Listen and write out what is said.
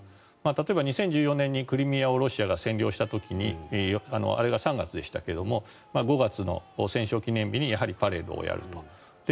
例えば２０１４年にクリミアをロシアが占領した時にあれが３月でしたが５月の戦勝記念日にやはりパレードをやると。